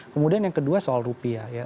kemudian yang kedua soal rupiah ya